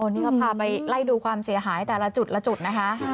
นี่เขาพาไปไล่ดูความเสียหายแต่ละจุดละจุดนะคะ